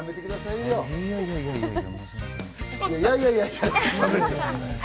いやいやいや。